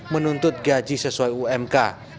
menuntut gaji sesuai umk